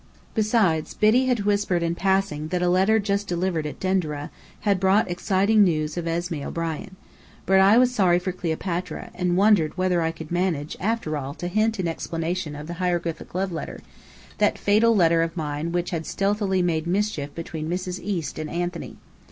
Besides, Biddy had whispered in passing that a letter just delivered at Denderah, had brought exciting news of Esmé O'Brien: But I was sorry for Cleopatra, and wondered whether I could manage after all to hint an explanation of the hieroglyphic love letter that fatal letter of mine which had stealthily made mischief between Mrs. East and Anthony.